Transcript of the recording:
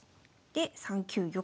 で３九玉。